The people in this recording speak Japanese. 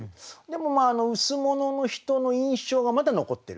でも羅の人の印象がまだ残ってる。